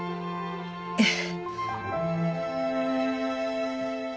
ええ。